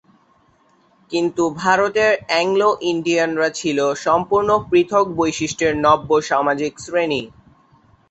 কিন্তু ভারতের অ্যাংলো-ইন্ডিয়ানরা ছিল সম্পূর্ণ পৃথক বৈশিষ্ট্যের নব্য সামাজিক শ্রেণি।